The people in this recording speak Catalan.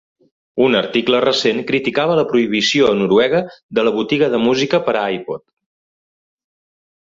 Un article recent criticava la prohibició a Noruega de la botiga de música per a iPod.